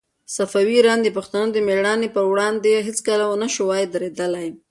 صفوي ایران د پښتنو د مېړانې په وړاندې هيڅکله ونه شوای درېدلای.